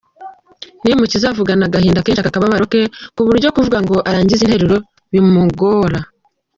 Niyomukiza avugana agahinda kenshi aka kababaro ke, ku buryo kuvuga ngo arangize interuro bimogora.